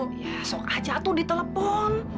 dia sok aja tuh di telepon